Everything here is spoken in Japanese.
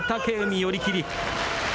寄り切り。